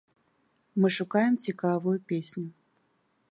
Мы шукаем цікавую песню.